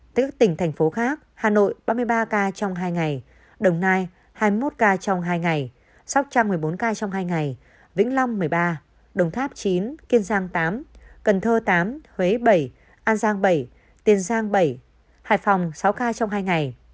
tức tỉnh thành phố khác hà nội ba mươi ba ca trong hai ngày đồng nai hai mươi một ca trong hai ngày sóc trăng một mươi bốn ca trong hai ngày vĩnh long một mươi ba đồng tháp chín kiên giang tám cần thơ tám huế bảy an giang bảy tiền giang bảy hải phòng sáu ca trong hai ngày